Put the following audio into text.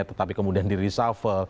tetapi kemudian diresolve